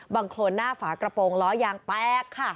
โครนหน้าฝากระโปรงล้อยางแตกค่ะ